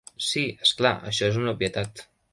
Sí, és clar, això és una obvietat.